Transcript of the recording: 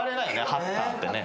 「ハッター」ってね。